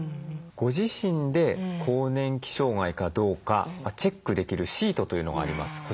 ご自身で更年期障害かどうかチェックできるシートというのがあります。